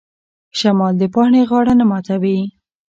شمال د پاڼې غاړه نه ماتوي.